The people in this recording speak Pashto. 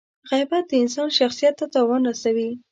• غیبت د انسان شخصیت ته تاوان رسوي.